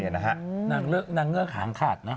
นางเงือกหางขาดนะ